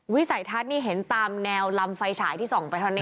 วิสัยทัศน์นี่เห็นตามแนวลำไฟฉายที่ส่องไปเท่านี้